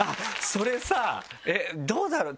それさどうだろう？